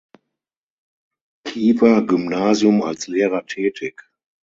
Kiewer Gymnasium als Lehrer tätig.